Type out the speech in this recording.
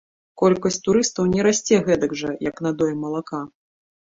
Колькасць турыстаў не расце гэтак жа, як надоі малака.